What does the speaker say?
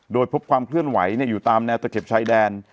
โดยพบความเคลื่อนไหวอยู่ตามแนวตะเข็บชายแดน